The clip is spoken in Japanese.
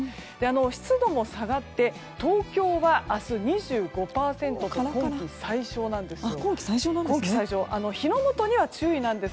湿度も下がって東京は明日２５％と今季最小なんです。